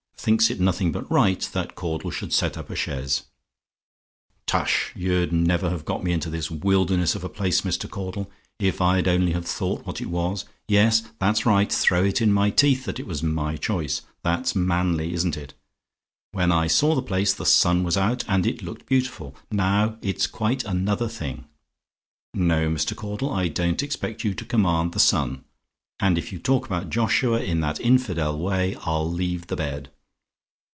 THINKS IT "NOTHING BUT RIGHT" THAT CAUDLE SHOULD SET UP A CHAISE "Tush! You'd never have got me into this wilderness of a place, Mr. Caudle, if I'd only have thought what it was. Yes, that's right: throw it in my teeth that it was my choice that's manly, isn't it? When I saw the place the sun was out, and it looked beautiful now, it's quite another thing. No, Mr. Caudle; I don't expect you to command the sun, and if you talk about Joshua in that infidel way, I'll leave the bed.